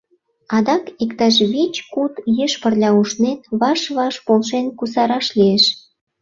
Адак, иктаж вич-куд еш пырля ушнен, ваш-ваш полшен кусараш лиеш.